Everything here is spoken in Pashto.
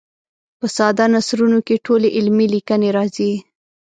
په ساده نثرونو کې ټولې علمي لیکنې راځي.